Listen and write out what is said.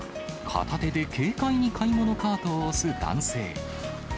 片手で軽快に買い物カートを押す男性。